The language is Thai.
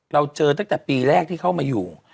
เราเจอตั้งแต่ปีแรกที่เข้ามาอยู่